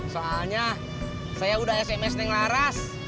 soalnya saya udah sms neng laras